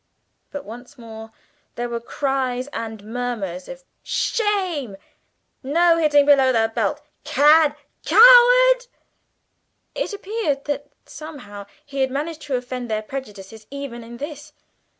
But once more there were cries and murmurs of "Shame!" "No hitting below the belt!" "Cad coward!" It appeared that, somehow, he had managed to offend their prejudices even in this.